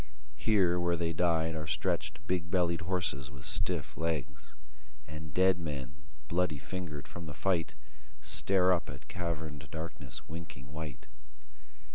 Here where they died Are stretched big bellied horses with stiff legs; And dead men, bloody fingered from the fight, Stare up at caverned darkness winking white.